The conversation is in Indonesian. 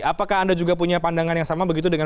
apakah anda juga punya pandangan yang sama begitu dengan